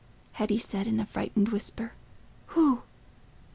Hetty said, in a frightened whisper, "Who?"